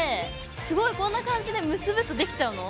すごいこんな感じで結ぶとできちゃうの？